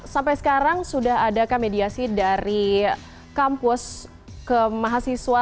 sampai sekarang sudah adakah mediasi dari kampus ke mahasiswa